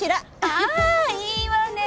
ああいいわね